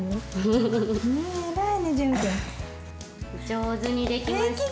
上手にできました。